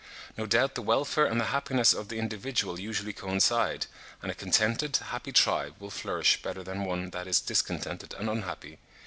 No doubt the welfare and the happiness of the individual usually coincide; and a contented, happy tribe will flourish better than one that is discontented and unhappy.